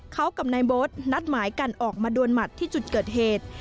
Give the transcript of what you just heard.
เขากับนายโบ๊ทนัดหมายกันออกมาดวนหมัดที่จุดเกิดเหตุ